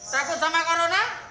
takut sama corona